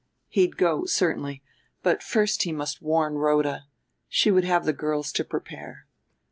He'd go, certainly; but first he must warn Rhoda, she would have the girls to prepare....